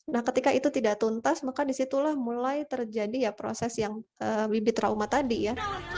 nah ketika itu tidak tuntas maka disitulah mulai terjadi ya proses yang bibit trauma tadi ya